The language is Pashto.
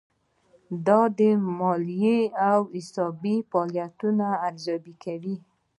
دا د مالي او حسابي فعالیتونو ارزیابي کوي.